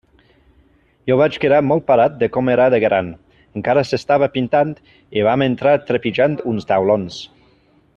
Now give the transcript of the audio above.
Jo vaig quedar molt parat de com era de gran; encara s'estava pintant, i vam entrar trepitjant uns taulons.